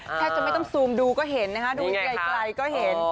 แทบจะไม่ต้องซูมดูก็เห็นนะคะดูไกลก็เห็น